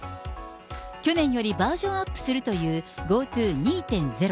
去年よりバージョンアップするというＧｏＴｏ２．０。